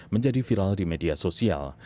menjadi viral di media sosial